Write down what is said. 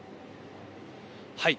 はい。